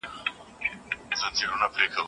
که چېرې بل وي تا نه ښه به مې ساتينه